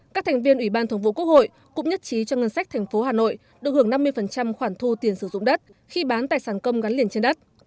các thành viên ủy ban thường vụ quốc hội cũng nhất trí cho ngân sách thành phố hà nội được hưởng năm mươi khoản thu tiền sử dụng đất khi bán tài sản công gắn liền trên đất